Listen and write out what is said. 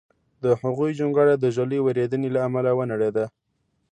د هغوی جونګړه د ږلۍ وریدېنې له امله ونړېده